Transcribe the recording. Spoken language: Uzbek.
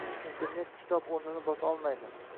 Internet kitob o‘rnini bosa olmaydi.